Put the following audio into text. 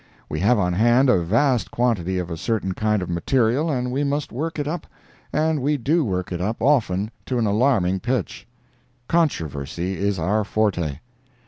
We have on hand a vast quantity of a certain kind of material and we must work it up, and we do work it up often to an alarming pitch. Controversy is our forte.